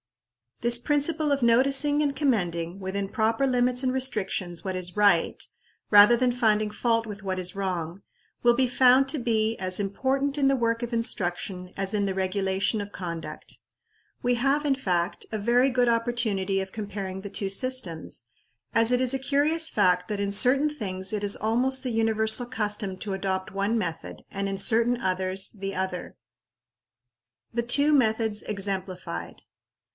This principle of noticing and commending, within proper limits and restrictions, what is right, rather than finding fault with what is wrong, will be found to be as important in the work of instruction as in the regulation of conduct. We have, in fact, a very good opportunity of comparing the two systems, as it is a curious fact that in certain things it is almost the universal custom to adopt one method, and in certain others, the other. The two Methods exemplified.